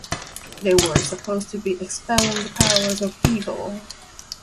They were supposed to be expelling the powers of evil.